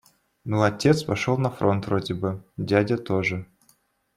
Ну, отец пошёл на фронт вроде бы, дядя тоже.